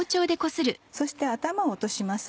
そして頭を落とします。